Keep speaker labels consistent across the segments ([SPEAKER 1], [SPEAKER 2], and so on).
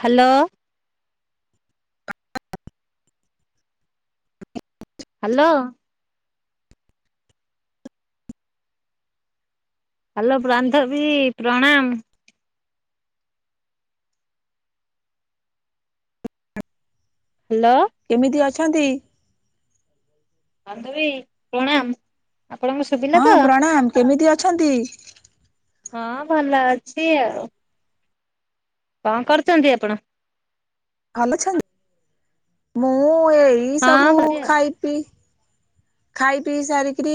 [SPEAKER 1] Hello. Hello. Hello ବ୍ରାନ୍ଧବୀ ପ୍ରଣାମ୍। Hello.
[SPEAKER 2] କେମିତି ଅଛନ୍ତି?
[SPEAKER 1] ବାନ୍ଧବୀ ପ୍ରଣାମ। ଆପଣଙ୍କ ସୁ
[SPEAKER 2] ହଁ ପ୍ରଣାମ୍। କେମିତି ଅଛନ୍ତି?
[SPEAKER 1] ହଁ ଭଲ ଅଛି ଆଉ। କଁ କରୁଚନ୍ତି ଆପଣ?
[SPEAKER 2] ଭଲ ଅଛନ୍ତି? ମୁଁ ଏଇ
[SPEAKER 1] ହଁ
[SPEAKER 2] ସବୁ
[SPEAKER 1] ଭଲ
[SPEAKER 2] ଖାଇ ପିଇ ଖାଇ ପିଇ ସାରିକିରି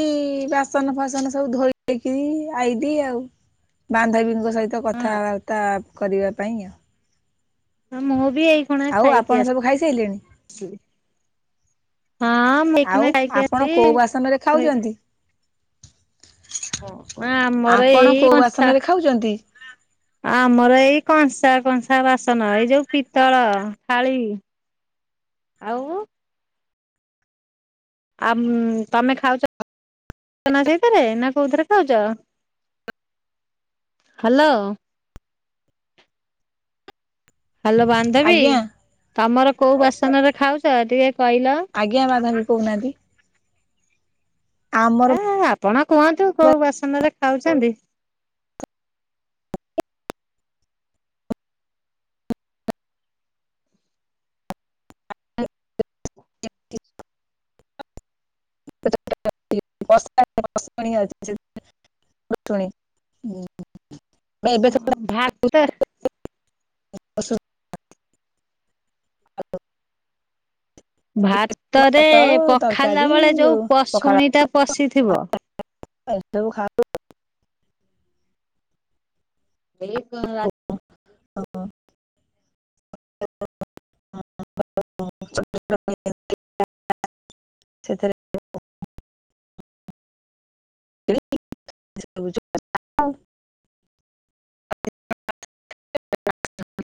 [SPEAKER 2] ବାସନ ଫାସନ ସବୁ ଧୋଇଦେଇକିରି ଆଇବି ଆଉ। ବାନ୍ଧବୀଙ୍କ ସହିତ କଥାବାର୍ତ୍ତା କରିବା ପାଇଁ ଆଉ।
[SPEAKER 1] ହ ମୁଁ ବି ଏଇ ଖୁଣା
[SPEAKER 2] ଆଉ ଆପଣ
[SPEAKER 1] ଖାଇକି
[SPEAKER 2] ସବୁ ଖାଇସାଇଲେଣି?
[SPEAKER 1] ଆସିଲି। ହଁ ମୁଁ ଏଇ
[SPEAKER 2] ଆଉ
[SPEAKER 1] ଖୁଣିଆ ଖାଇକି
[SPEAKER 2] ଆପଣ କୋଉ ବାସନରେ
[SPEAKER 1] ଆଇଲି।
[SPEAKER 2] ଖାଉଚନ୍ତି?
[SPEAKER 1] ନା ଆମର
[SPEAKER 2] ଆପଣ
[SPEAKER 1] ଏଇ
[SPEAKER 2] କୋଉ
[SPEAKER 1] କଂସା
[SPEAKER 2] ବାସନରେ ଖାଉଚନ୍ତି?
[SPEAKER 1] ଆମର ଏଇ କଂସା କଂସା ବାସନ ଏଇ ଯୋଉ ପିତ୍ତଳ ଥାଳି। ଆଉ। ଆମ୍ ତମେ ଖାଉଛ ସେଇଥିରେ। ନା କୋଉଥିରେ ଖାଉଛ? ହାଲୋ ହାଲୋ ବାନ୍ଧବୀ
[SPEAKER 2] ଆଜ୍ଞା
[SPEAKER 1] ତମର କୋଉ ବାସନରେ ଖାଉଚ? ଟିକେ କହିଲ।
[SPEAKER 2] ଆଜ୍ଞା ବାନ୍ଧବି କହୁନାହାନ୍ତି। ଆମ୍
[SPEAKER 1] ଏ ଆପଣ କୁହନ୍ତୁ କୋଉ ବାସନରେ ଖାଉଛନ୍ତି?
[SPEAKER 2] [unintelligible] [unintelligible] ଏବେ
[SPEAKER 1] ଭାତ
[SPEAKER 2] [unintelligible]
[SPEAKER 1] ଭାତରେ
[SPEAKER 2] ଭାତ
[SPEAKER 1] ପଖାଳିଲା
[SPEAKER 2] ତରକାରୀ
[SPEAKER 1] ବେଳେ ଯୋଉ
[SPEAKER 2] ପଖାଳ
[SPEAKER 1] ପଶୁଣି ଟା ପଶିଥିବ
[SPEAKER 2] [unintelligible]
[SPEAKER 1] ଅଇ ପୁଆଁ ରାତି
[SPEAKER 2] [unintelligible] [unintelligible] ସେଥିରେ [unintelligible] [unintelligible]